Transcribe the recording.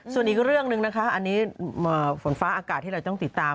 ส่วนอีกเรื่องหนึ่งนะคะอันนี้ฝนฟ้าอากาศที่เราต้องติดตาม